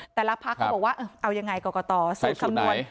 แต่ละภาคก็บอกว่าเอายังไงกรกตสูตรคำนวณ